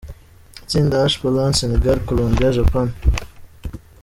Itsinga H: Poland, Senegal, Colombia, Japan.